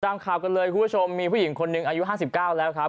ตามข่าวกันเลยคุณผู้ชมมีผู้หญิงคนหนึ่งอายุ๕๙แล้วครับ